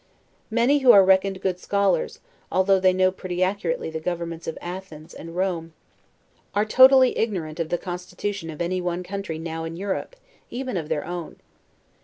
Many who are reckoned good scholars, though they know pretty accurately the governments of Athens and Rome, are totally ignorant of the constitution of any one country now in Europe, even of their own.